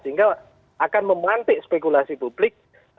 sehingga akan memantik spekulasi publik